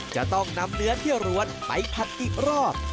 จะต้องนำเนื้อที่รวดไปผัดกินกี่รอบ